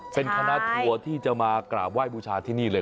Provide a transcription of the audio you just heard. เป็นคณะทัวร์ที่จะมากราบไหว้บูชาที่นี่เลย